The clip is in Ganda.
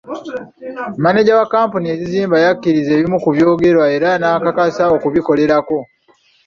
Maneja wa kkampuni ezimba yakkiriza ebimu ku byogerwa era n'akakasa okubikolako.